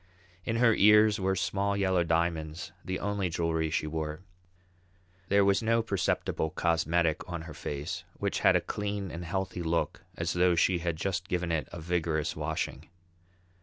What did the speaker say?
In her ears were small yellow diamonds, the only jewellery she wore. There was no perceptible cosmetic on her face, which had a clean and healthy look as though she had just given it a vigorous washing.